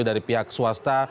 dari pihak swasta